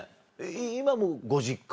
今もご実家？